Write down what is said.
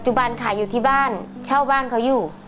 เจ้าเช่าบ้านเค้าอยู่